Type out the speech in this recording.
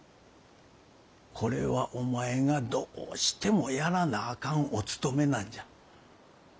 これはお前がどうしてもやらなあかんおつとめなんじゃ。